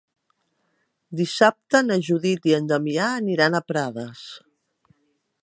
Dissabte na Judit i en Damià aniran a Prades.